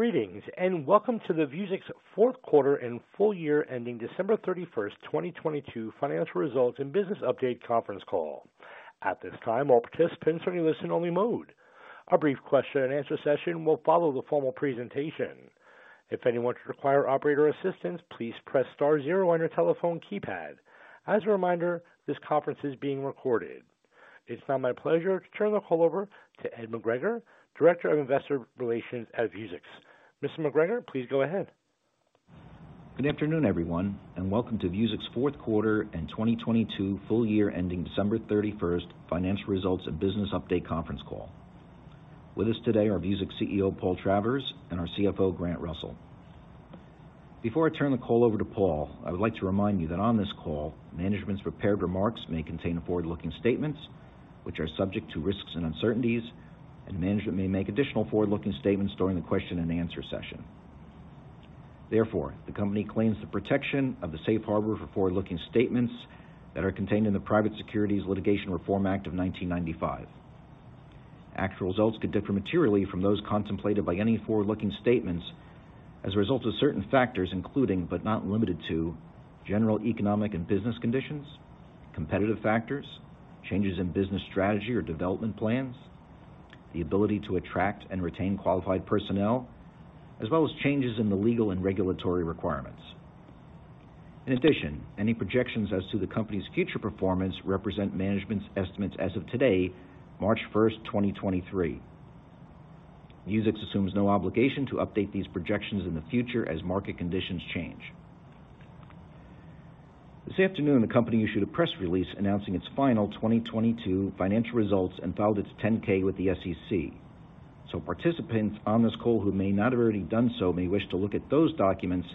Greetings, welcome to the Vuzix 4th quarter and full year ending December 31st, 2022 financial results and business update conference call. At this time, all participants are in listen-only mode. A brief question and answer session will follow the formal presentation. If anyone should require operator assistance, please press star 0 on your telephone keypad. As a reminder, this conference is being recorded. It's now my pleasure to turn the call over to Ed McGregor, Director of Investor Relations at Vuzix. Mr. McGregor, please go ahead. Good afternoon, everyone, and welcome to Vuzix fourth quarter and 2022 full year ending December 31st financial results and business update conference call. With us today are Vuzix CEO, Paul Travers, and our CFO, Grant Russell. Before I turn the call over to Paul, I would like to remind you that on this call, management's prepared remarks may contain forward-looking statements which are subject to risks and uncertainties, and management may make additional forward-looking statements during the question and answer session. Therefore, the company claims the protection of the safe harbor for forward-looking statements that are contained in the Private Securities Litigation Reform Act of 1995. Actual results could differ materially from those contemplated by any forward-looking statements as a result of certain factors, including, but not limited to general economic and business conditions, competitive factors, changes in business strategy or development plans, the ability to attract and retain qualified personnel, as well as changes in the legal and regulatory requirements. In addition, any projections as to the company's future performance represent management's estimates as of today, March 1, 2023. Vuzix assumes no obligation to update these projections in the future as market conditions change. This afternoon, the company issued a press release announcing its final 2022 financial results and filed its 10-K with the SEC. Participants on this call who may not have already done so may wish to look at those documents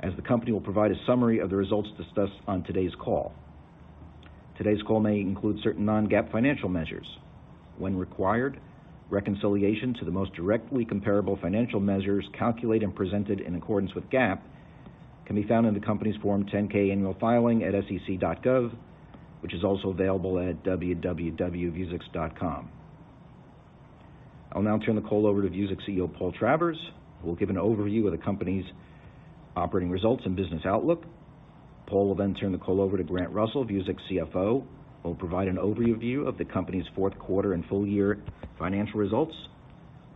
as the company will provide a summary of the results discussed on today's call. Today's call may include certain non-GAAP financial measures. When required, reconciliation to the most directly comparable financial measures calculated and presented in accordance with GAAP can be found in the company's Form 10-K annual filing at sec.gov, which is also available at www.vuzix.com. I'll now turn the call over to Vuzix CEO Paul Travers, who will give an overview of the company's operating results and business outlook. Paul will turn the call over to Grant Russell, Vuzix CFO, who will provide an overview of the company's fourth quarter and full year financial results.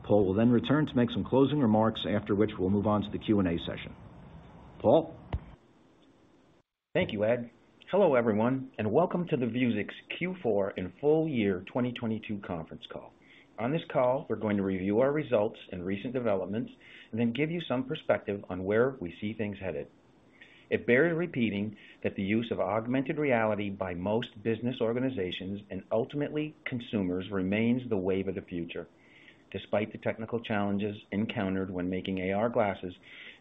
Paul will return to make some closing remarks, after which we'll move on to the Q&A session. Paul? Thank you, Ed. Hello, everyone, welcome to the Vuzix Q4 and full year 2022 conference call. On this call, we're going to review our results and recent developments and then give you some perspective on where we see things headed. It bears repeating that the use of augmented reality by most business organizations and ultimately consumers remains the wave of the future. Despite the technical challenges encountered when making AR glasses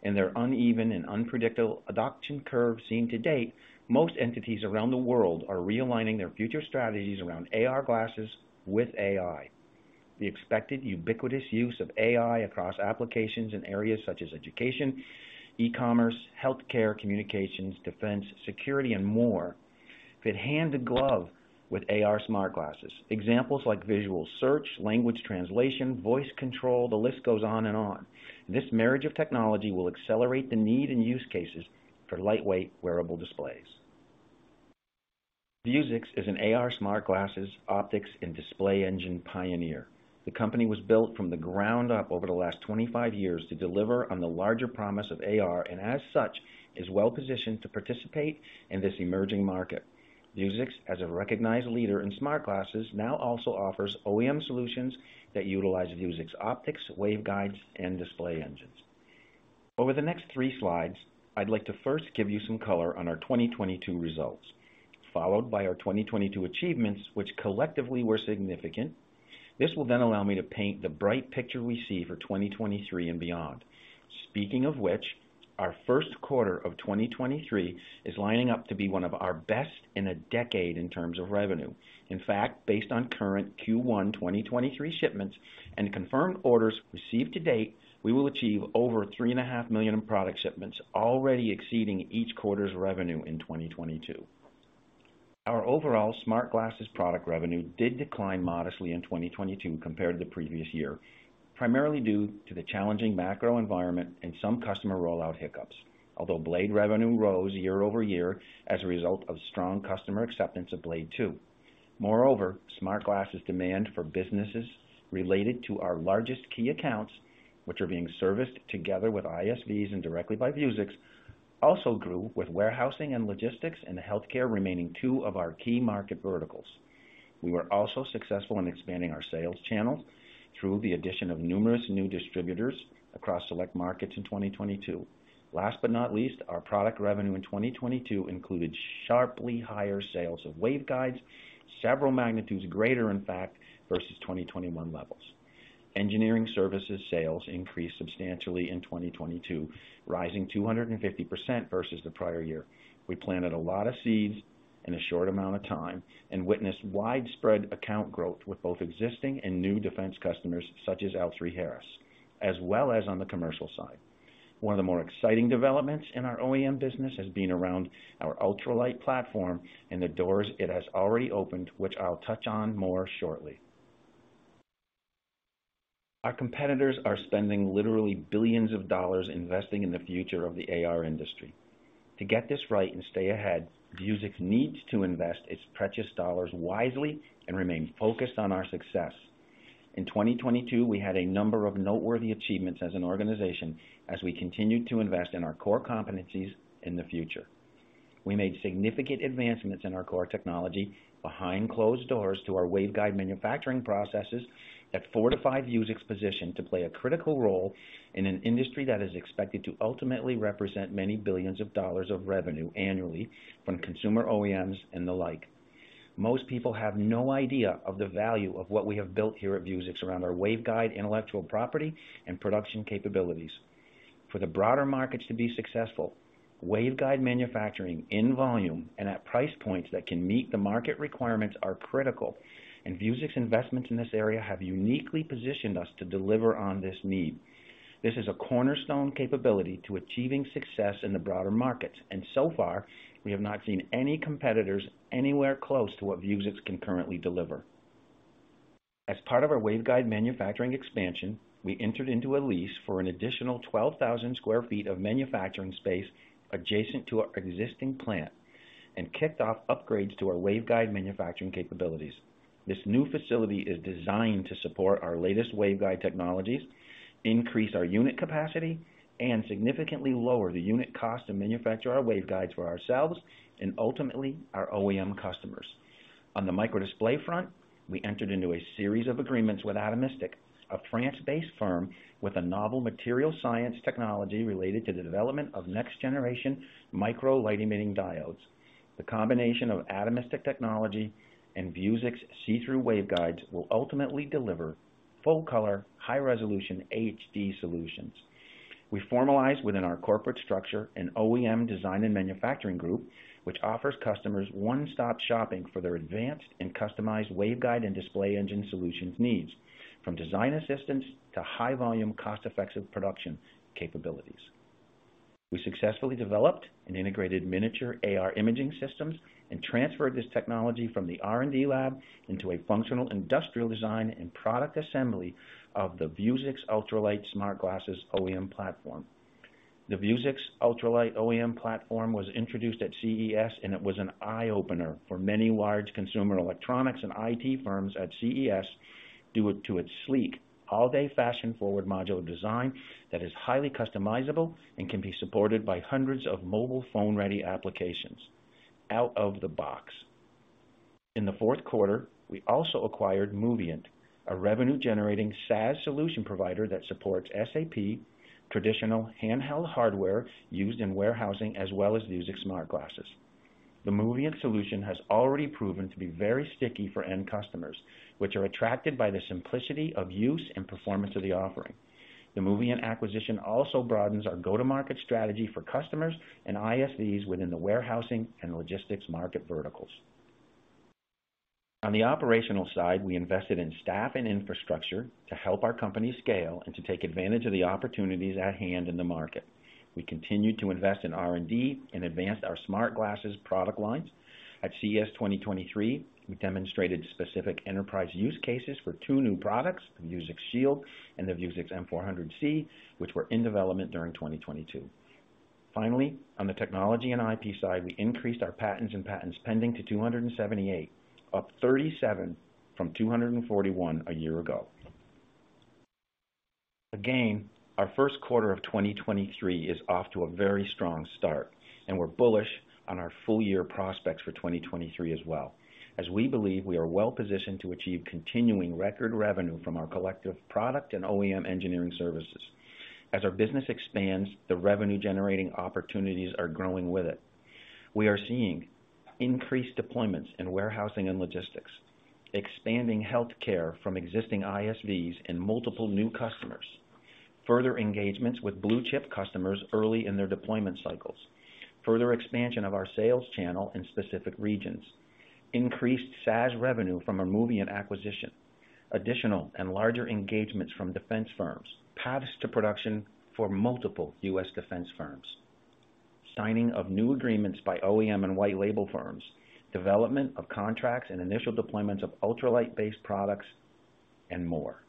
and their uneven and unpredictable adoption curve seen to date, most entities around the world are realigning their future strategies around AR glasses with AI. The expected ubiquitous use of AI across applications in areas such as education, e-commerce, healthcare, communications, defense, security, and more fit hand in glove with AR smart glasses. Examples like visual search, language translation, voice control, the list goes on and on. This marriage of technology will accelerate the need and use cases for lightweight wearable displays. Vuzix is an AR smart glasses, optics and display engine pioneer. The company was built from the ground up over the last 25 years to deliver on the larger promise of AR, and as such, is well-positioned to participate in this emerging market. Vuzix, as a recognized leader in smart glasses, now also offers OEM solutions that utilize Vuzix optics, waveguides, and display engines. Over the next three slides, I'd like to first give you some color on our 2022 results, followed by our 2022 achievements, which collectively were significant. This will then allow me to paint the bright picture we see for 2023 and beyond. Speaking of which, our first quarter of 2023 is lining up to be one of our best in a decade in terms of revenue. In fact, based on current Q1 2023 shipments and confirmed orders received to date, we will achieve over three and a half million in product shipments, already exceeding each quarter's revenue in 2022. Our overall smart glasses product revenue did decline modestly in 2022 compared to the previous year, primarily due to the challenging macro environment and some customer rollout hiccups. Blade revenue rose year-over-year as a result of strong customer acceptance of Blade 2. Smart glasses demand for businesses related to our largest key accounts, which are being serviced together with ISVs and directly by Vuzix, also grew with warehousing and logistics and healthcare remaining two of our key market verticals. We were also successful in expanding our sales channels through the addition of numerous new distributors across select markets in 2022. Last but not least, our product revenue in 2022 included sharply higher sales of waveguides, several magnitudes greater, in fact, versus 2021 levels. Engineering services sales increased substantially in 2022, rising 250% versus the prior year. We planted a lot of seeds in a short amount of time and witnessed widespread account growth with both existing and new defense customers such as L3Harris, as well as on the commercial side. One of the more exciting developments in our OEM business has been around our Ultralite platform and the doors it has already opened, which I'll touch on more shortly. Our competitors are spending literally billions of dollars investing in the future of the AR industry. To get this right and stay ahead, Vuzix needs to invest its precious dollars wisely and remain focused on our success. In 2022, we had a number of noteworthy achievements as an organization as we continued to invest in our core competencies in the future. We made significant advancements in our core technology behind closed doors to our waveguide manufacturing processes that fortify Vuzix's position to play a critical role in an industry that is expected to ultimately represent many billions of dollars of revenue annually from consumer OEMs and the like. Most people have no idea of the value of what we have built here at Vuzix around our waveguide intellectual property and production capabilities. For the broader markets to be successful, waveguide manufacturing in volume and at price points that can meet the market requirements are critical. Vuzix investments in this area have uniquely positioned us to deliver on this need. This is a cornerstone capability to achieving success in the broader markets, so far, we have not seen any competitors anywhere close to what Vuzix can currently deliver. As part of our waveguide manufacturing expansion, we entered into a lease for an additional 12,000 sq ft of manufacturing space adjacent to our existing plant and kicked off upgrades to our waveguide manufacturing capabilities. This new facility is designed to support our latest waveguide technologies, increase our unit capacity, and significantly lower the unit cost to manufacture our waveguides for ourselves and ultimately our OEM customers. On the microdisplay front, we entered into a series of agreements with Atomistic, a France-based firm with a novel material science technology related to the development of next-generation micro lighting diodes. The combination of Atomistic technology and Vuzix see-through waveguides will ultimately deliver full-color, high-resolution HD solutions. We formalized within our corporate structure an OEM design and manufacturing group, which offers customers one-stop shopping for their advanced and customized waveguide and display engine solutions needs, from design assistance to high-volume, cost-effective production capabilities. We successfully developed and integrated miniature AR imaging systems and transferred this technology from the R&D lab into a functional industrial design and product assembly of the Vuzix Ultralite Smart Glasses OEM platform. The Vuzix Ultralite OEM platform was introduced at CES, and it was an eye-opener for many large consumer electronics and IT firms at CES due to its sleek, all-day fashion-forward modular design that is highly customizable and can be supported by hundreds of mobile phone-ready applications out of the box. In the fourth quarter, we also acquired Moviynt, a revenue-generating SaaS solution provider that supports SAP, traditional handheld hardware used in warehousing, as well as Vuzix smart glasses. The Moviynt solution has already proven to be very sticky for end customers, which are attracted by the simplicity of use and performance of the offering. The Moviynt acquisition also broadens our go-to-market strategy for customers and ISVs within the warehousing and logistics market verticals. On the operational side, we invested in staff and infrastructure to help our company scale and to take advantage of the opportunities at hand in the market. We continued to invest in R&D and advanced our smart glasses product lines. At CES 2023, we demonstrated specific enterprise use cases for 2 new products, Vuzix Shield and the Vuzix M400C, which were in development during 2022. Finally, on the technology and IP side, we increased our patents and patents pending to 278, up 37 from 241 a year ago. Our first quarter of 2023 is off to a very strong start. We're bullish on our full year prospects for 2023 as well, as we believe we are well positioned to achieve continuing record revenue from our collective product and OEM engineering services. Our business expands, the revenue-generating opportunities are growing with it. We are seeing increased deployments in warehousing and logistics, expanding healthcare from existing ISVs and multiple new customers, further engagements with blue-chip customers early in their deployment cycles, further expansion of our sales channel in specific regions, increased SaaS revenue from a Moviynt acquisition, additional and larger engagements from defense firms, paths to production for multiple U.S. defense firms, signing of new agreements by OEM and white label firms, development of contracts and initial deployments of Ultralite-based products. More.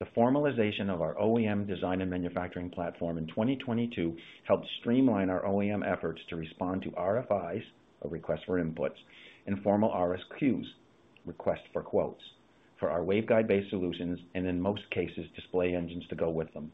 The formalization of our OEM design and manufacturing platform in 2022 helped streamline our OEM efforts to respond to RFIs, or request for inputs, and formal RFQs, request for quotes, for our waveguide-based solutions and, in most cases, display engines to go with them.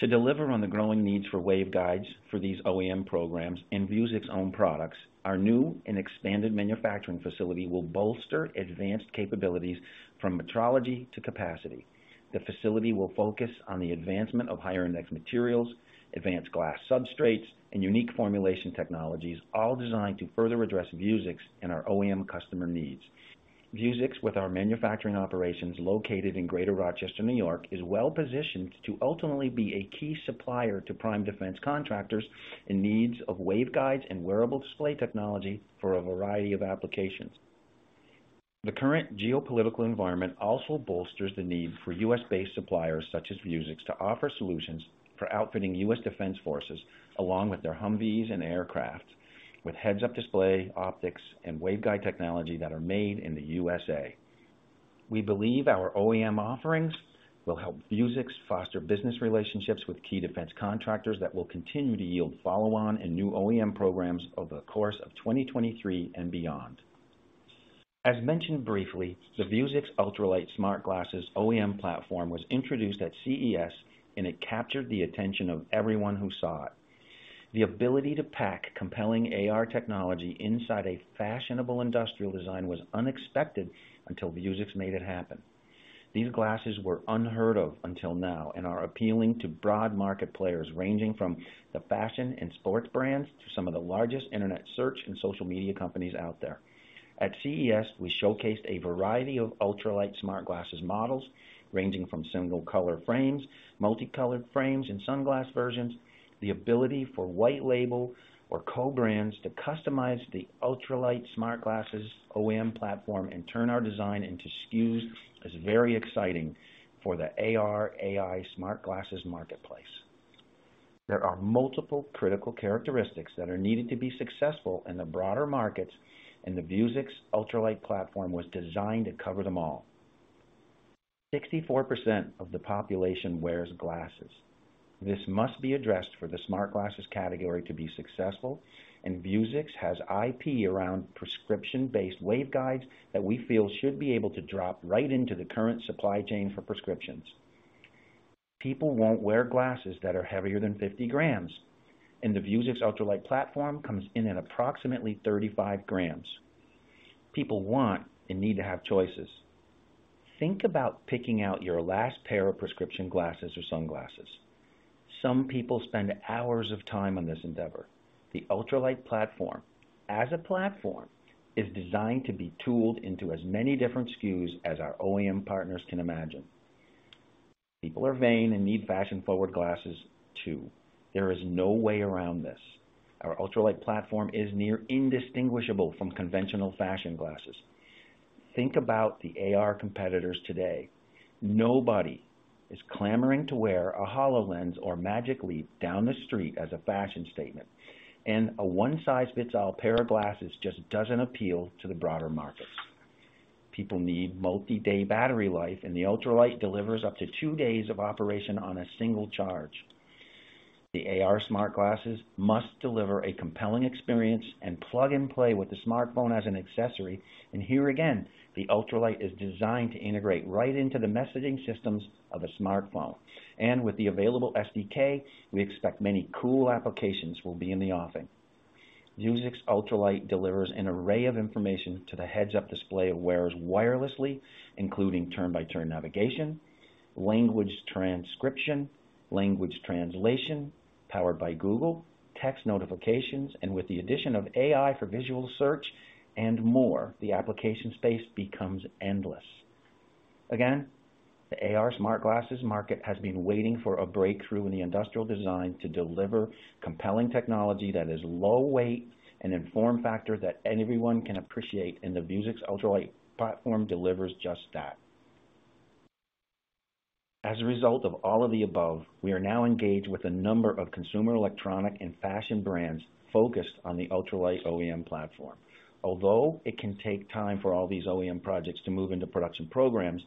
To deliver on the growing needs for waveguides for these OEM programs and Vuzix's own products, our new and expanded manufacturing facility will bolster advanced capabilities from metrology to capacity. The facility will focus on the advancement of higher index materials, advanced glass substrates, and unique formulation technologies, all designed to further address Vuzix and our OEM customer needs. Vuzix, with our manufacturing operations located in Greater Rochester, New York, is well positioned to ultimately be a key supplier to prime defense contractors in needs of waveguides and wearable display technology for a variety of applications. The current geopolitical environment also bolsters the need for US-based suppliers such as Vuzix to offer solutions for outfitting US defense forces along with their Humvees and aircraft with heads-up display optics and waveguide technology that are made in the USA. We believe our OEM offerings will help Vuzix foster business relationships with key defense contractors that will continue to yield follow-on and new OEM programs over the course of 2023 and beyond. As mentioned briefly, the Vuzix Ultralite Smart Glasses OEM platform was introduced at CES, and it captured the attention of everyone who saw it. The ability to pack compelling AR technology inside a fashionable industrial design was unexpected until Vuzix made it happen. These glasses were unheard of until now and are appealing to broad market players ranging from the fashion and sports brands to some of the largest Internet search and social media companies out there. At CES, we showcased a variety of Ultralite Smart Glasses models ranging from single color frames, multicolored frames, and sunglass versions. The ability for white label or co-brands to customize the Ultralite Smart Glasses OEM platform and turn our design into SKUs is very exciting for the AR/AI smart glasses marketplace. There are multiple critical characteristics that are needed to be successful in the broader markets, and the Vuzix Ultralite platform was designed to cover them all. 64% of the population wears glasses. This must be addressed for the smart glasses category to be successful. Vuzix has IP around prescription-based waveguides that we feel should be able to drop right into the current supply chain for prescriptions. People won't wear glasses that are heavier than 50 grams. The Vuzix Ultralite platform comes in at approximately 35 grams. People want and need to have choices. Think about picking out your last pair of prescription glasses or sunglasses. Some people spend hours of time on this endeavor. The Ultralite platform, as a platform, is designed to be tooled into as many different SKUs as our OEM partners can imagine. People are vain and need fashion-forward glasses, too. There is no way around this. Our Ultralite platform is near indistinguishable from conventional fashion glasses. Think about the AR competitors today. Nobody is clamoring to wear a HoloLens or Magic Leap down the street as a fashion statement. A one-size-fits-all pair of glasses just doesn't appeal to the broader market. People need multi-day battery life. The Ultralite delivers up to 2 days of operation on a single charge. The AR smart glasses must deliver a compelling experience and plug and play with the smartphone as an accessory. Here again, the Ultralite is designed to integrate right into the messaging systems of a smartphone. With the available SDK, we expect many cool applications will be in the offing. Vuzix Ultralite delivers an array of information to the heads-up display of wearers wirelessly, including turn-by-turn navigation, language transcription, language translation powered by Google, text notifications. With the addition of AI for visual search and more, the application space becomes endless. Again, the AR smart glasses market has been waiting for a breakthrough in the industrial design to deliver compelling technology that is low weight and in form factor that everyone can appreciate. The Vuzix Ultralite platform delivers just that. As a result of all of the above, we are now engaged with a number of consumer electronic and fashion brands focused on the Ultralite OEM platform. It can take time for all these OEM projects to move into production programs,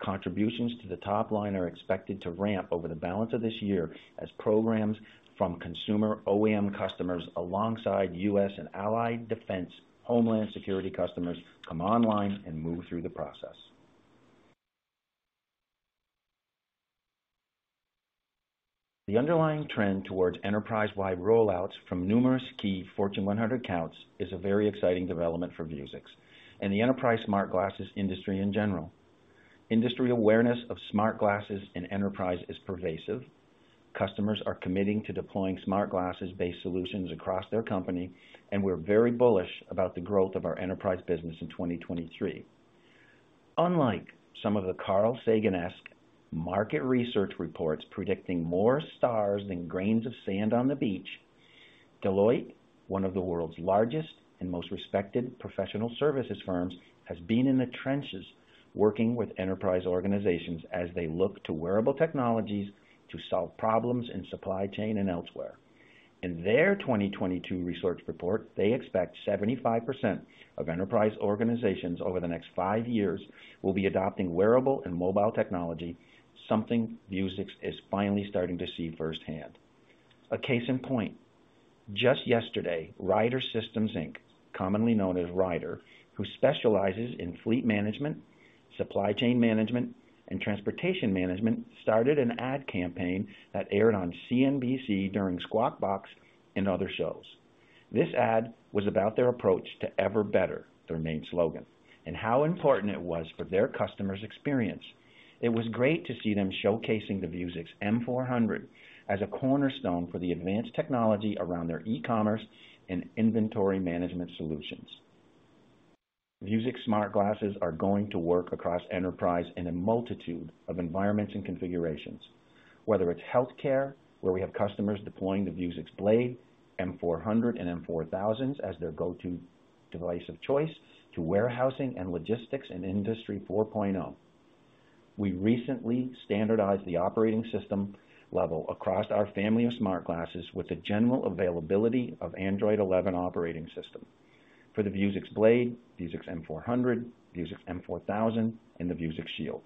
contributions to the top line are expected to ramp over the balance of this year as programs from consumer OEM customers alongside U.S. and Allied defense homeland security customers come online and move through the process. The underlying trend towards enterprise-wide rollouts from numerous key Fortune 100 accounts is a very exciting development for Vuzix and the enterprise smart glasses industry in general. Industry awareness of smart glasses in enterprise is pervasive. Customers are committing to deploying smart glasses-based solutions across their company, and we're very bullish about the growth of our enterprise business in 2023. Unlike some of the Carl Sagan-esque market research reports predicting more stars than grains of sand on the beach, Deloitte, one of the world's largest and most respected professional services firms, has been in the trenches working with enterprise organizations as they look to wearable technologies to solve problems in supply chain and elsewhere. In their 2022 research report, they expect 75% of enterprise organizations over the next 5 years will be adopting wearable and mobile technology, something Vuzix is finally starting to see firsthand. A case in point, just yesterday, Ryder System, Inc., commonly known as Ryder, who specializes in fleet management, supply chain management, and transportation management, started an ad campaign that aired on CNBC during Squawk Box and other shows. This ad was about their approach to Ever Better, their main slogan, and how important it was for their customers' experience. It was great to see them showcasing the Vuzix M400 as a cornerstone for the advanced technology around their e-commerce and inventory management solutions. Vuzix smart glasses are going to work across enterprise in a multitude of environments and configurations. Whether it's healthcare, where we have customers deploying the Vuzix Blade, M400, and M4000 as their go-to device of choice to warehousing and logistics in Industry 4.0. We recently standardized the operating system level across our family of smart glasses with the general availability of Android 11 operating system for the Vuzix Blade, Vuzix M400, Vuzix M4000, and the Vuzix Shield.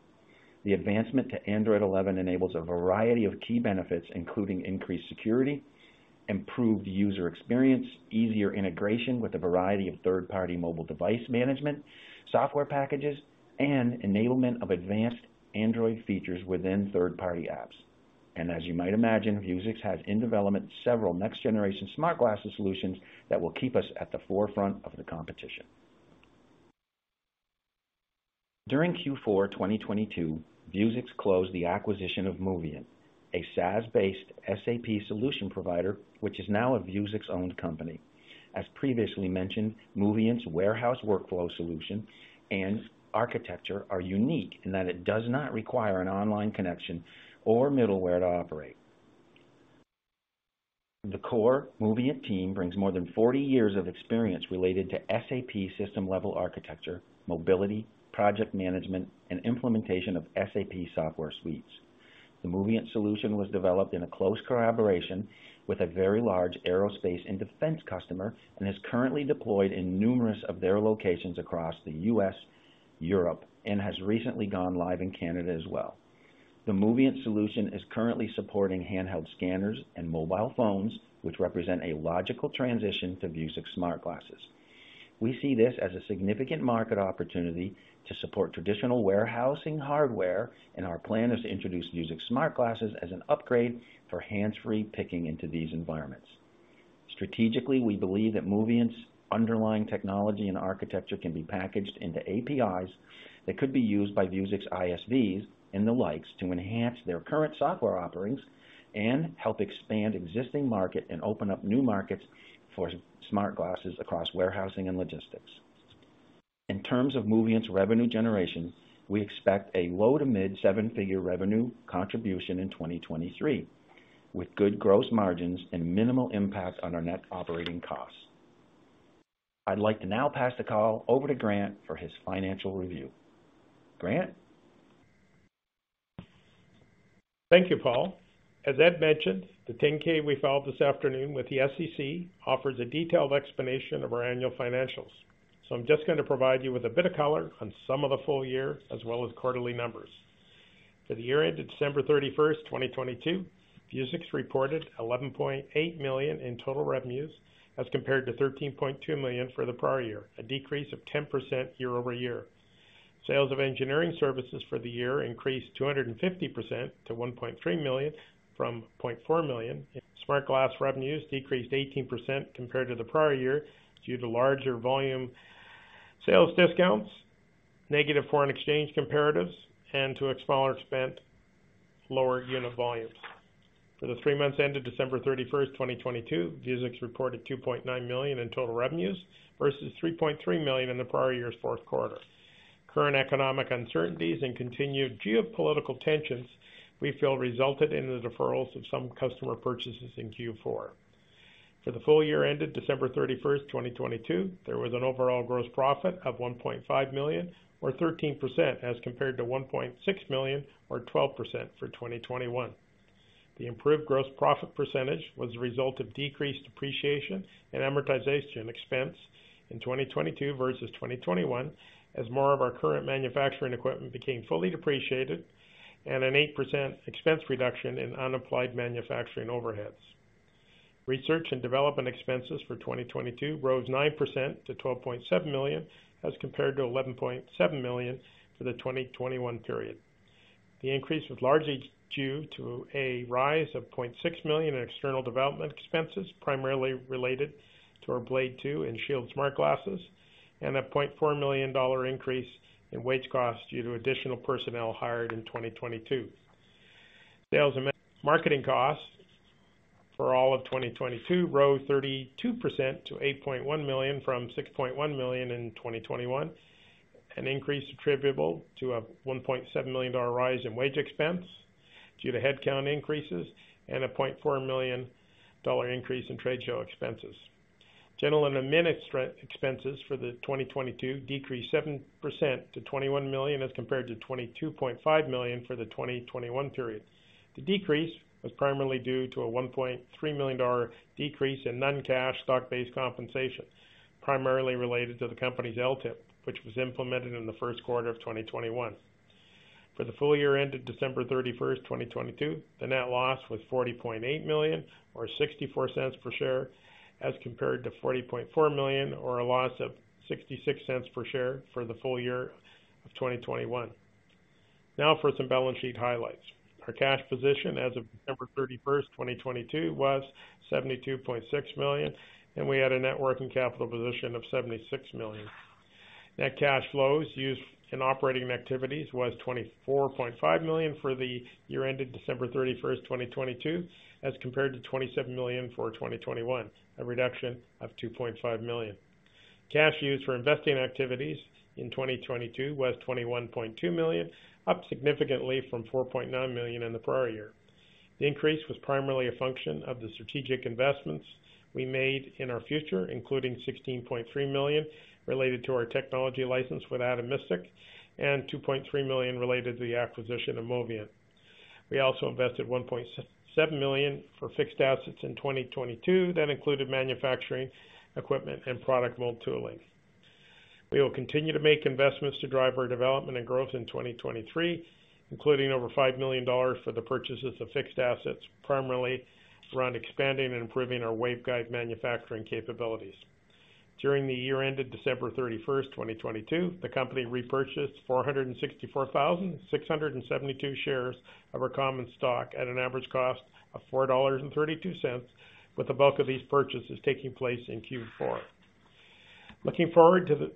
The advancement to Android 11 enables a variety of key benefits, including increased security, improved user experience, easier integration with a variety of third-party mobile device management, software packages, and enablement of advanced Android features within third-party apps. As you might imagine, Vuzix has in development several next generation smart glasses solutions that will keep us at the forefront of the competition. During Q4 2022, Vuzix closed the acquisition of Moviynt, a SaaS-based SAP solution provider, which is now a Vuzix-owned company. As previously mentioned, Moviynt's warehouse workflow solution and architecture are unique in that it does not require an online connection or middleware to operate. The core Moviynt team brings more than 40 years of experience related to SAP system level architecture, mobility, project management, and implementation of SAP software suites. The Moviynt solution was developed in a close collaboration with a very large aerospace and defense customer, and is currently deployed in numerous of their locations across the U.S., Europe, and has recently gone live in Canada as well. The Moviynt solution is currently supporting handheld scanners and mobile phones, which represent a logical transition to Vuzix smart glasses. We see this as a significant market opportunity to support traditional warehousing hardware, and our plan is to introduce Vuzix smart glasses as an upgrade for hands-free picking into these environments. Strategically, we believe that Moviynt's underlying technology and architecture can be packaged into APIs that could be used by Vuzix ISVs and the likes to enhance their current software offerings and help expand existing market and open up new markets for smart glasses across warehousing and logistics. In terms of Moviynt's revenue generation, we expect a low to mid-seven-figure revenue contribution in 2023, with good gross margins and minimal impact on our net operating costs. I'd like to now pass the call over to Grant for his financial review. Grant? Thank you, Paul. As Ed mentioned, the 10-K we filed this afternoon with the SEC offers a detailed explanation of our annual financials. I'm just gonna provide you with a bit of color on some of the full year as well as quarterly numbers. For the year ended December 31st, 2022, Vuzix reported $11.8 million in total revenues as compared to $13.2 million for the prior year, a decrease of 10% year-over-year. Sales of engineering services for the year increased 250% to $1.3 million from $0.4 million. Smart glass revenues decreased 18% compared to the prior year due to larger volume sales discounts, negative foreign exchange comparatives, and to a smaller extent, lower unit volumes. For the three months ended December thirty-first, 2022, Vuzix reported $2.9 million in total revenues versus $3.3 million in the prior year's fourth quarter. Current economic uncertainties and continued geopolitical tensions, we feel, resulted in the deferrals of some customer purchases in Q4. For the full year ended December thirty-first, 2022, there was an overall gross profit of $1.5 million, or 13%, as compared to $1.6 million or 12% for 2021. The improved gross profit percentage was a result of decreased depreciation and amortization expense in 2022 versus 2021, as more of our current manufacturing equipment became fully depreciated and an 8% expense reduction in unapplied manufacturing overheads. Research and development expenses for 2022 rose 9% to $12.7 million, as compared to $11.7 million for the 2021 period. The increase was largely due to a rise of $0.6 million in external development expenses, primarily related to our Blade 2 and Shield smart glasses, and a $0.4 million increase in wage costs due to additional personnel hired in 2022. Sales and marketing costs for all of 2022 rose 32% to $8.1 million from $6.1 million in 2021. An increase attributable to a $1.7 million rise in wage expense due to headcount increases and a $0.4 million increase in trade show expenses. General and administrative expenses for 2022 decreased 7% to $21 million as compared to $22.5 million for the 2021 period. The decrease was primarily due to a $1.3 million decrease in non-cash stock-based compensation, primarily related to the company's LTIP, which was implemented in the first quarter of 2021. For the full year ended December 31st, 2022, the net loss was $40.8 million or $0.64 per share, as compared to $40.4 million or a loss of $0.66 per share for the full year of 2021. For some balance sheet highlights. Our cash position as of December 31st, 2022 was $72.6 million, and we had a net working capital position of $76 million. Net cash flows used in operating activities was $24.5 million for the year ended December 31, 2022, as compared to $27 million for 2021, a reduction of $2.5 million. Cash used for investing activities in 2022 was $21.2 million, up significantly from $4.9 million in the prior year. The increase was primarily a function of the strategic investments we made in our future, including $16.3 million related to our technology license with Atomistic and $2.3 million related to the acquisition of Moviynt. We also invested $1.7 million for fixed assets in 2022 that included manufacturing equipment and product mold tooling. We will continue to make investments to drive our development and growth in 2023, including over $5 million for the purchases of fixed assets, primarily around expanding and improving our waveguide manufacturing capabilities. During the year ended December 31st, 2022, the company repurchased 464,672 shares of our common stock at an average cost of $4.32, with the bulk of these purchases taking place in Q4. Looking forward to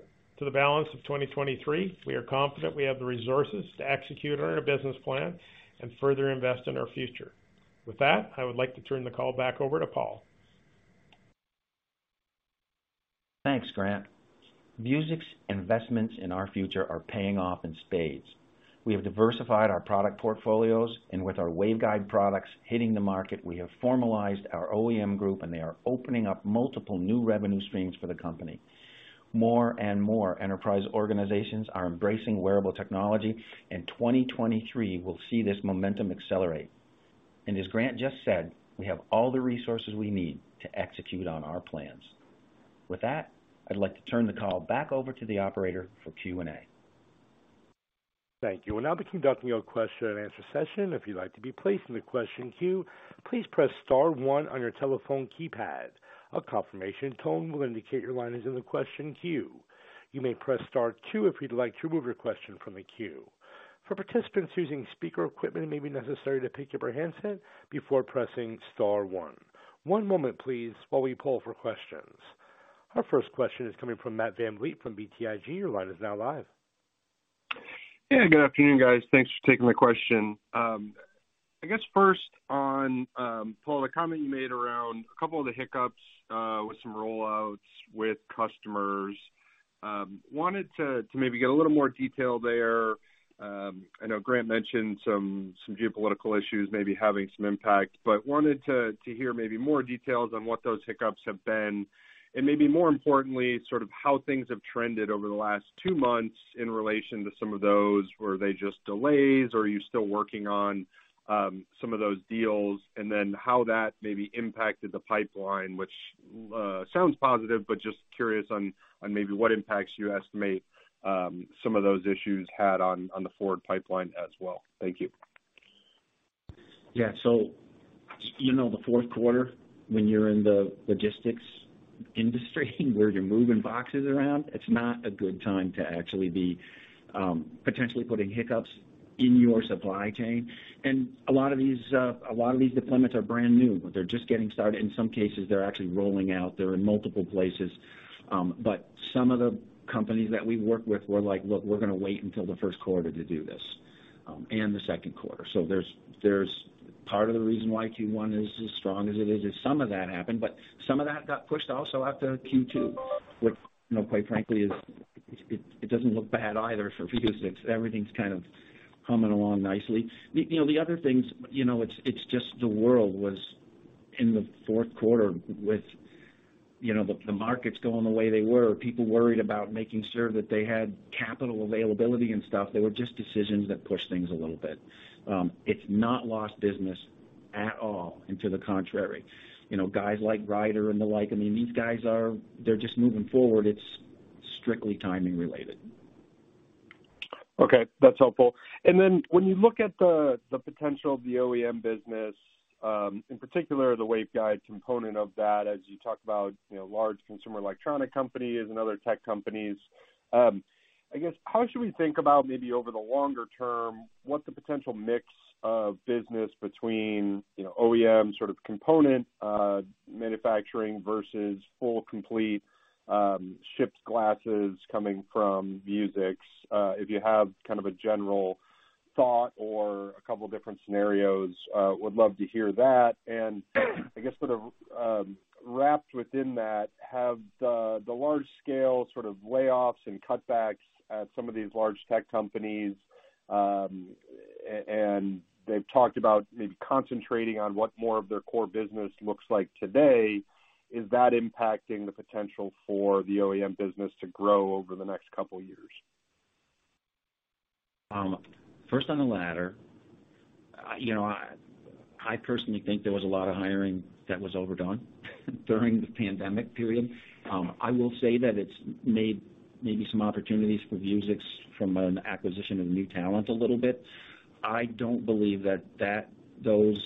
the balance of 2023, we are confident we have the resources to execute on our business plan and further invest in our future. With that, I would like to turn the call back over to Paul. Thanks, Grant. Vuzix investments in our future are paying off in spades. We have diversified our product portfolios, and with our waveguide products hitting the market, we have formalized our OEM group, and they are opening up multiple new revenue streams for the company. More and more enterprise organizations are embracing wearable technology, and 2023 will see this momentum accelerate. As Grant just said, we have all the resources we need to execute on our plans. With that, I'd like to turn the call back over to the operator for Q&A. Thank you. We'll now be conducting your question and answer session. If you'd like to be placed in the question queue, please press star one on your telephone keypad. A confirmation tone will indicate your line is in the question queue. You may press star two if you'd like to remove your question from the queue. For participants using speaker equipment, it may be necessary to pick up your handset before pressing star one. One moment, please, while we pull for questions. Our first question is coming from Matt VanVliet from BTIG. Your line is now live. Yeah, good afternoon, guys. Thanks for taking my question. I guess first on Paul, the comment you made around a couple of the hiccups with some rollouts with customers. Wanted to maybe get a little more detail there. I know Grant mentioned some geopolitical issues maybe having some impact, but wanted to hear maybe more details on what those hiccups have been and maybe more importantly, sort of how things have trended over the last two months in relation to some of those. Were they just delays, or are you still working on some of those deals? How that maybe impacted the pipeline, which sounds positive, but just curious on maybe what impacts you estimate some of those issues had on the forward pipeline as well. Thank you. Yeah. So, you know, the fourth quarter, when you're in the logistics industry where you're moving boxes around, it's not a good time to actually be potentially putting hiccups in your supply chain. A lot of these, a lot of these deployments are brand new. They're just getting started. In some cases, they're actually rolling out. They're in multiple places. Some of the companies that we work with were like, "Look, we're gonna wait until the first quarter to do this, and the second quarter." There's part of the reason why Q1 is as strong as it is some of that happened, but some of that got pushed also out to Q2, which, you know, quite frankly, is it doesn't look bad either for Vuzix. Everything's kind of coming along nicely. You know, the other things, you know, it's just the world was in the fourth quarter with, you know, the markets going the way they were, people worried about making sure that they had capital availability and stuff. They were just decisions that pushed things a little bit. It's not lost business at all. To the contrary. You know, guys like Ryder and the like, I mean, these guys are, they're just moving forward. It's strictly timing related. Okay, that's helpful. When you look at the potential of the OEM business, in particular the waveguide component of that, as you talk about, you know, large consumer electronic companies and other tech companies, I guess how should we think about maybe over the longer term, what the potential mix of business between, you know, OEM sort of component manufacturing versus full complete ships, glasses coming from Vuzix? If you have kind of a general thought or a couple different scenarios, would love to hear that. I guess sort of wrapped within that, have the large scale sort of layoffs and cutbacks at some of these large tech companies, and they've talked about maybe concentrating on what more of their core business looks like today. Is that impacting the potential for the OEM business to grow over the next couple years? First on the latter, you know, I personally think there was a lot of hiring that was overdone during the pandemic period. I will say that it's made maybe some opportunities for Vuzix from an acquisition of new talent a little bit. I don't believe that those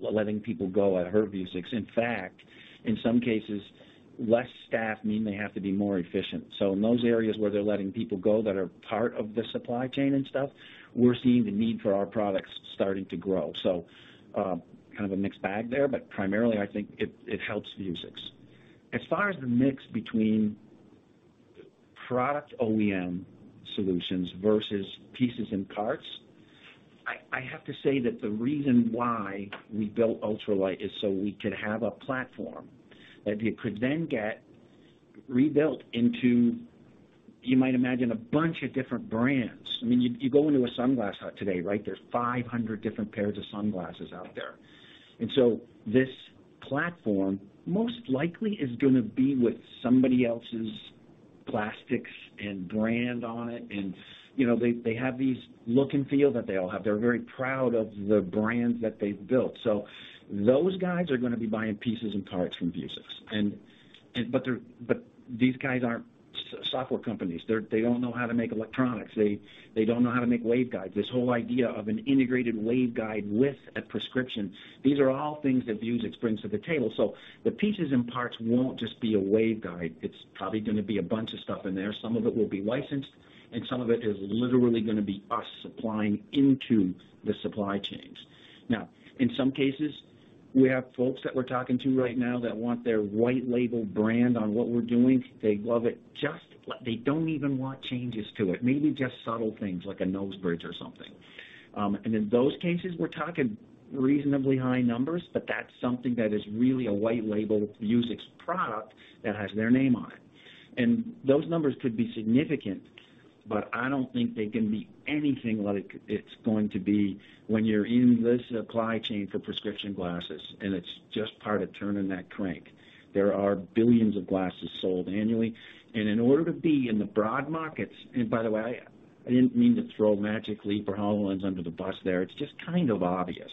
letting people go hurt Vuzix. In fact, in some cases, less staff mean they have to be more efficient. In those areas where they're letting people go that are part of the supply chain and stuff, we're seeing the need for our products starting to grow. Kind of a mixed bag there, but primarily I think it helps Vuzix. As far as the mix between product OEM solutions versus pieces and parts. I have to say that the reason why we built Ultralite is so we could have a platform that it could then get rebuilt into, you might imagine, a bunch of different brands. I mean, you go into a Sunglass Hut today, right? There's 500 different pairs of sunglasses out there. This platform most likely is gonna be with somebody else's plastics and brand on it. You know, they have these look and feel that they all have. They're very proud of the brands that they've built. Those guys are gonna be buying pieces and parts from Vuzix. These guys aren't software companies. They don't know how to make electronics. They don't know how to make waveguides. This whole idea of an integrated waveguide with a prescription, these are all things that Vuzix brings to the table. The pieces and parts won't just be a waveguide. It's probably gonna be a bunch of stuff in there. Some of it will be licensed, and some of it is literally gonna be us supplying into the supply chains. In some cases, we have folks that we're talking to right now that want their white label brand on what we're doing. They love it just like they don't even want changes to it. Maybe just subtle things like a nose bridge or something. In those cases, we're talking reasonably high numbers, but that's something that is really a white label Vuzix product that has their name on it. Those numbers could be significant, but I don't think they can be anything like it's going to be when you're in this supply chain for prescription glasses, and it's just part of turning that crank. There are billions of glasses sold annually. In order to be in the broad markets. By the way, I didn't mean to throw Magic Leap or HoloLens under the bus there. It's just kind of obvious,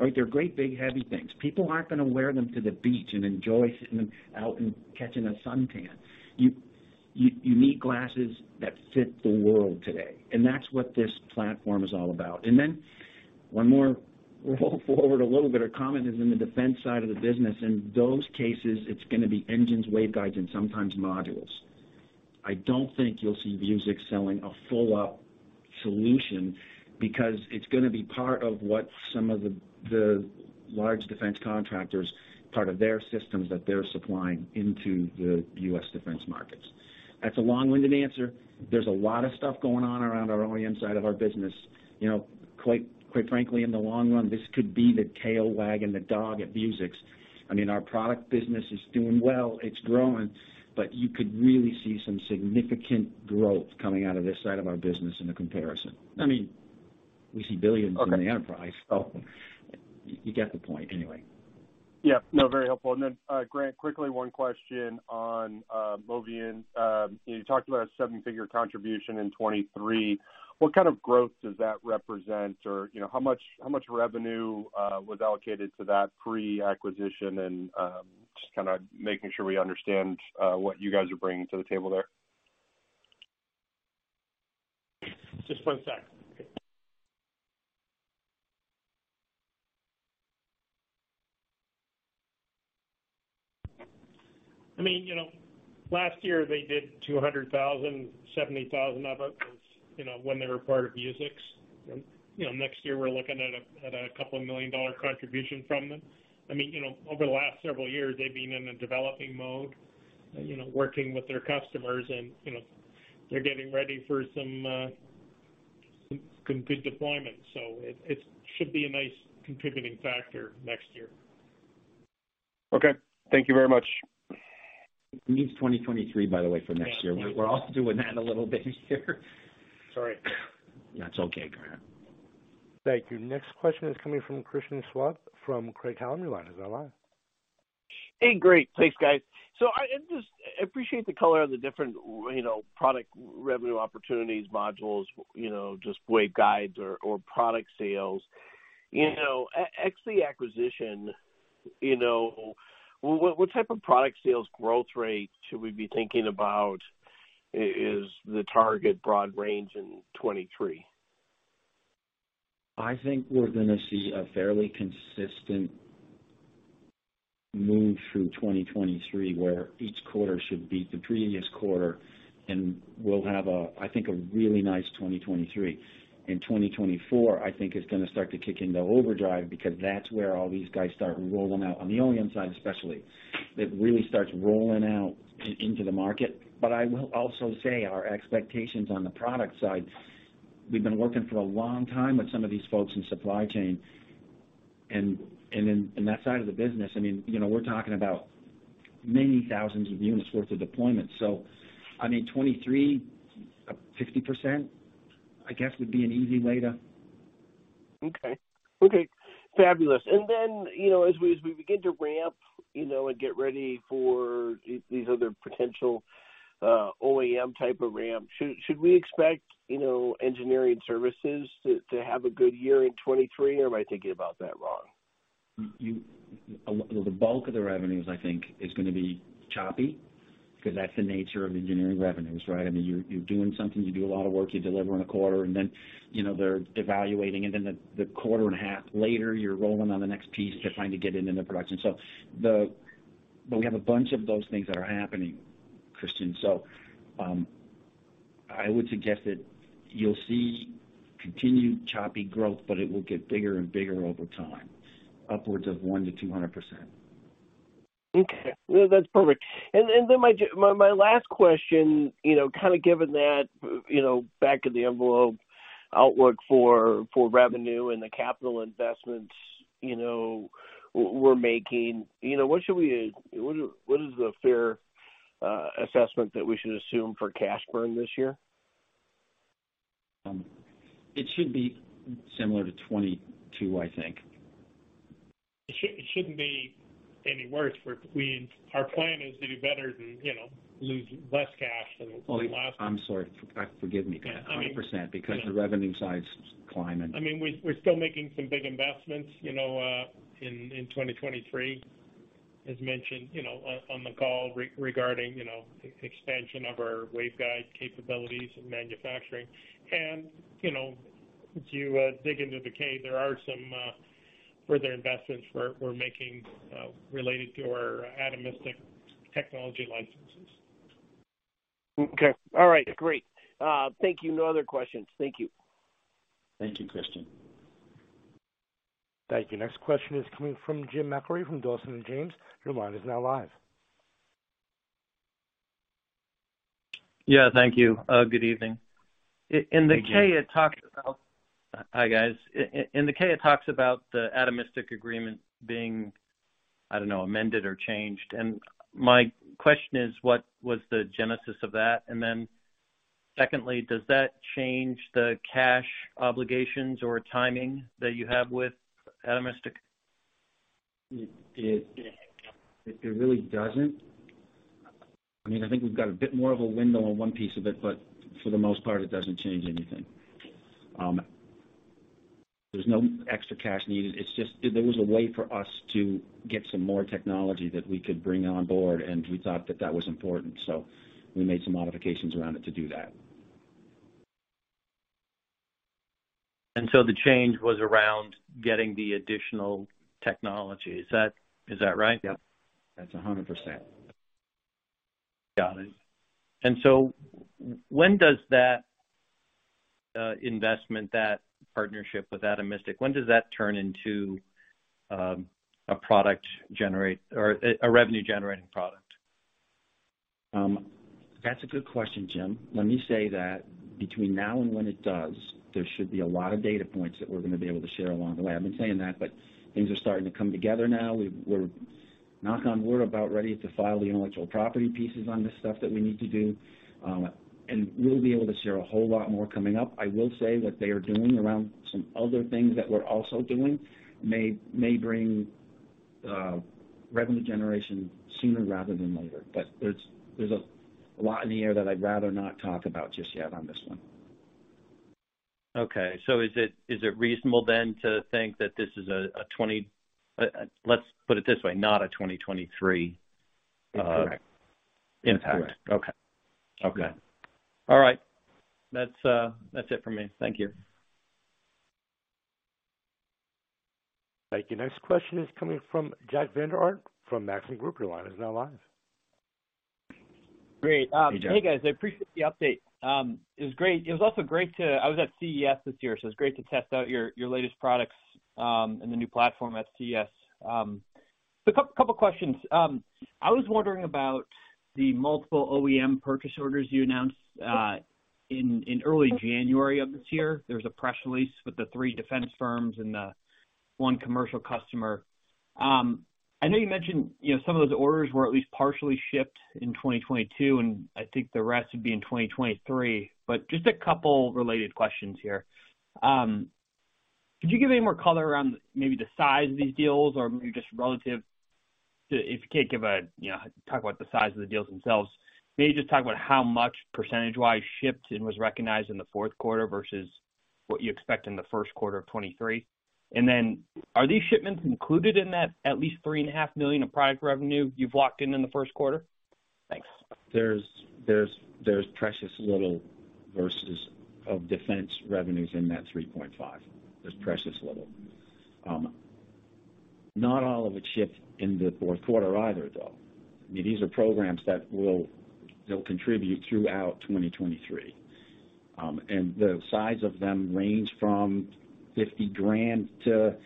right? They're great, big, heavy things. People aren't gonna wear them to the beach and enjoy sitting them out and catching a suntan. You need glasses that fit the world today, and that's what this platform is all about. Then one more roll forward, a little bit of comment is in the defense side of the business. In those cases, it's gonna be engines, waveguides, and sometimes modules. I don't think you'll see Vuzix selling a full up solution because it's gonna be part of what some of the large defense contractors, part of their systems that they're supplying into the U.S. defense markets. That's a long-winded answer. There's a lot of stuff going on around our OEM side of our business. You know, quite frankly, in the long run, this could be the tail wagging the dog at Vuzix. I mean, our product business is doing well, it's growing, but you could really see some significant growth coming out of this side of our business in the comparison. I mean, we see $ billions in the enterprise. Okay. You get the point anyway. Yeah. No, very helpful. Grant, quickly, one question on Moviynt. You talked about a 7-figure contribution in 2023. What kind of growth does that represent? You know, how much, how much revenue was allocated to that pre-acquisition? Just kind of making sure we understand what you guys are bringing to the table there. Just one sec. I mean, you know, last year they did $200,000. $70,000 of it was, you know, when they were part of Vuzix. You know, next year, we're looking at a couple of million dollar contribution from them. I mean, you know, over the last several years, they've been in a developing mode, you know, working with their customers, and, you know, they're getting ready for some good deployment. It's should be a nice contributing factor next year. Okay. Thank you very much. He means 2023, by the way, for next year. We're off doing that a little bit here. Sorry. That's okay, Grant. Thank you. Next question is coming from Christian Schwab from Craig-Hallum line. Is that live? Hey, great. Thanks, guys. I just appreciate the color of the different, you know, product revenue opportunities, modules, you know, just waveguides or product sales. You know, ex the acquisition, you know, what type of product sales growth rate should we be thinking about is the target broad range in 2023? I think we're gonna see a fairly consistent move through 2023, where each quarter should beat the previous quarter, and we'll have a, I think, a really nice 2023. In 2024, I think it's gonna start to kick into overdrive because that's where all these guys start rolling out, on the OEM side especially. It really starts rolling out into the market. I will also say our expectations on the product side, we've been working for a long time with some of these folks in supply chain and in that side of the business, I mean, you know, we're talking about many thousands of units worth of deployment. I mean, 23, 50%, I guess, would be an easy way. Okay. Okay, fabulous. You know, as we begin to ramp, you know, and get ready for these other potential OEM type of ramp, should we expect, you know, engineering services to have a good year in 23, or am I thinking about that wrong? The bulk of the revenues, I think, is gonna be choppy because that's the nature of engineering revenues, right? I mean, you're doing something, you do a lot of work, you deliver in a quarter, and then, you know, they're evaluating, and then the quarter and a half later, you're rolling on the next piece. They're trying to get into the production. We have a bunch of those things that are happening, Christian. I would suggest that you'll see continued choppy growth, but it will get bigger and bigger over time, upwards of 100%-200%. Okay. Well, that's perfect. My last question, you know, kind of given that, you know, back of the envelope outlook for revenue and the capital investments, you know, we're making, you know, what is the fair assessment that we should assume for cash burn this year? It should be similar to 22, I think. It shouldn't be any worse. Our plan is to do better than, you know, lose less cash than last year. Well, I'm sorry. Forgive me, Pat. 100% because the revenue side's climbing. I mean, we're still making some big investments, you know, in 2023, as mentioned, you know, on the call regarding, you know, expansion of our waveguide capabilities and manufacturing. You know, if you dig into the K, there are some further investments we're making related to our Atomistic technology licenses. Okay. All right. Great. Thank you. No other questions. Thank you. Thank you, Christian. Thank you. Next question is coming from Jim MacQuarrie from Dawson James. Your line is now live. Yeah. Thank you. Good evening. Thank you. Hi, guys. In the 10-K, it talks about the Atomistic agreement being, I don't know, amended or changed. My question is, what was the genesis of that? Secondly, does that change the cash obligations or timing that you have with Atomistic? It really doesn't. I mean, I think we've got a bit more of a window on one piece of it, but for the most part, it doesn't change anything. There's no extra cash needed. It's just there was a way for us to get some more technology that we could bring on board, and we thought that that was important, so we made some modifications around it to do that. The change was around getting the additional technology. Is that right? Yep. That's a 100%. Got it. When does that investment, that partnership with Atomistic, when does that turn into a product generate or a revenue generating product? That's a good question, Jim. Let me say that between now and when it does, there should be a lot of data points that we're gonna be able to share along the way. I've been saying that, things are starting to come together now. We're, knock on wood, about ready to file the intellectual property pieces on this stuff that we need to do. We'll be able to share a whole lot more coming up. I will say what they are doing around some other things that we're also doing may bring revenue generation sooner rather than later. There's a lot in the air that I'd rather not talk about just yet on this one. Okay. Is it reasonable then to think that this is let's put it this way, not a 2023. Correct. -impact. Correct. Okay. Okay. All right. That's it for me. Thank you. Thank you. Next question is coming from Jack Vander Aarde from Maxim Group. Your line is now live. Great. Hey, Jack. Hey, guys. I appreciate the update. It was great. It was also great. I was at CES this year, so it's great to test out your latest products, and the new platform at CES. A couple questions. I was wondering about the multiple OEM purchase orders you announced in early January of this year. There was a press release with the three defense firms and the one commercial customer. I know you mentioned, you know, some of those orders were at least partially shipped in 2022, and I think the rest would be in 2023. Just a couple related questions here. Could you give any more color around maybe the size of these deals or maybe just relative to, if you can't give a, you know, talk about the size of the deals themselves, maybe just talk about how much percentage-wise shipped and was recognized in the fourth quarter versus what you expect in the first quarter of 2023. Are these shipments included in that at least three and a half million of product revenue you've locked in in the first quarter? Thanks. There's precious little versus of defense revenues in that $3.5. There's precious little. Not all of it shipped in the fourth quarter either, though. I mean, these are programs that they'll contribute throughout 2023. The size of them range from $50,000 to,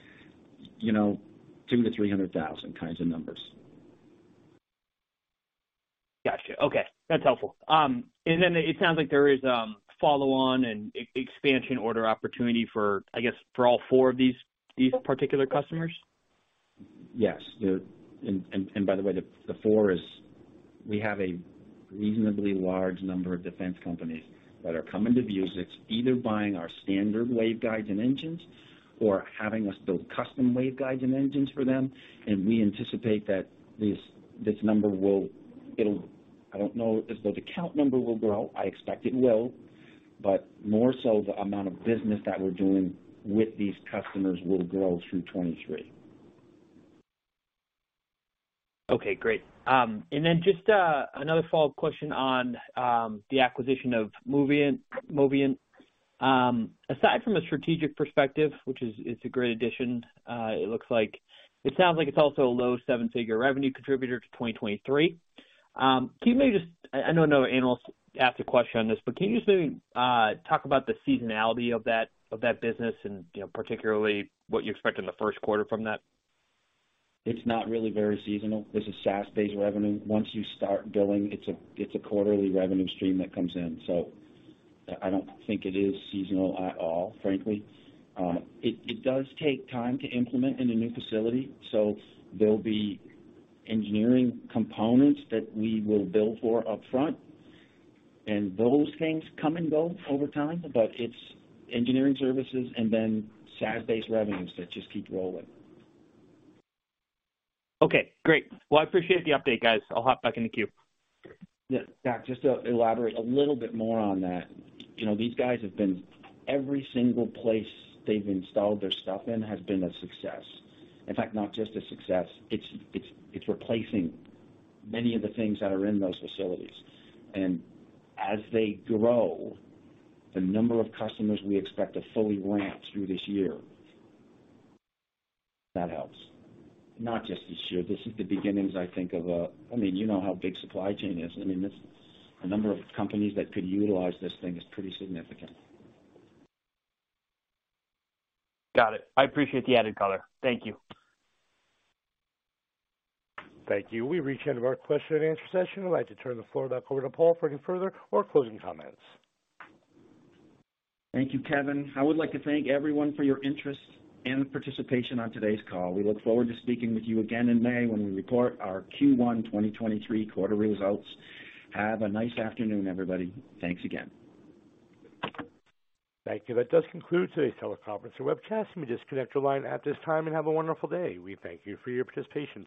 you know, $200,000-$300,000 kinds of numbers. Gotcha. Okay. That's helpful. It sounds like there is follow-on and e-expansion order opportunity for all 4 of these particular customers. Yes. By the way, the four is we have a reasonably large number of defense companies that are coming to Vuzix, either buying our standard waveguides and engines or having us build custom waveguides and engines for them. We anticipate that this number, I don't know if the account number will grow. I expect it will. More so the amount of business that we're doing with these customers will grow through 23. Okay, great. Just another follow-up question on the acquisition of Moviynt. Aside from a strategic perspective, which is, it's a great addition, it looks like. It sounds like it's also a low seven-figure revenue contributor to 2023. Can you maybe I know no analyst asked a question on this, but can you just maybe talk about the seasonality of that, of that business and, you know, particularly what you expect in the first quarter from that? It's not really very seasonal. This is SaaS-based revenue. Once you start billing, it's a quarterly revenue stream that comes in. I don't think it is seasonal at all, frankly. It does take time to implement in a new facility, so there'll be engineering components that we will build for upfront, and those things come and go over time, but it's engineering services and then SaaS-based revenues that just keep rolling. Okay, great. Well, I appreciate the update, guys. I'll hop back in the queue. Yeah. Jack, just to elaborate a little bit more on that. You know, these guys have been every single place they've installed their stuff in has been a success. In fact, not just a success, it's replacing many of the things that are in those facilities. As they grow, the number of customers we expect to fully ramp through this year, that helps. Not just this year. This is the beginnings, I think, of a I mean, you know how big supply chain is. I mean, this, the number of companies that could utilize this thing is pretty significant. Got it. I appreciate the added color. Thank you. Thank you. We've reached the end of our question and answer session. I'd like to turn the floor back over to Paul for any further or closing comments. Thank you, Kevin. I would like to thank everyone for your interest and participation on today's call. We look forward to speaking with you again in May when we report our Q1 2023 quarter results. Have a nice afternoon, everybody. Thanks again. Thank you. That does conclude today's teleconference or webcast. You may disconnect your line at this time and have a wonderful day. We thank you for your participation.